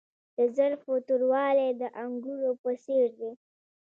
د زلفو توروالی د انګورو په څیر دی.